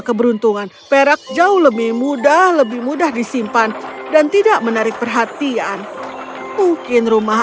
keberuntungan perak jauh lebih mudah lebih mudah disimpan dan tidak menarik perhatian mungkin rumah